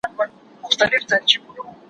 زه له سهاره واښه راوړم.